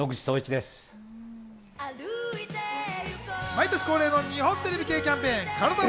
毎年恒例、日本テレビ系キャンペーンのカラダ